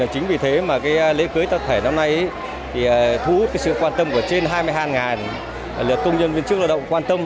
chính vì thế mà lễ cưới tập thể năm nay thu hút sự quan tâm của trên hai mươi hai lượt công nhân viên chức lao động quan tâm